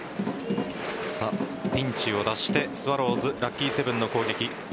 ピンチを脱してスワローズラッキーセブンの攻撃。